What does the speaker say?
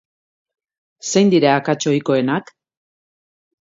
Zein dira akats ohikoenak?